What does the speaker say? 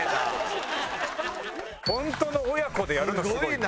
本当の親子でやるのすごい。